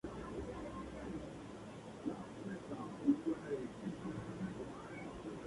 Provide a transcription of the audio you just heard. Boyd continuó actuando en películas bajo contrato antes de independizarse.